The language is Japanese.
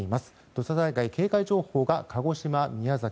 土砂災害警戒情報が鹿児島、宮崎